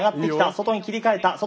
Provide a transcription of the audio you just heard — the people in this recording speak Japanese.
外に切り替えた。